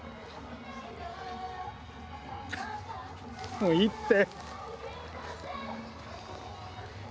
もういいって。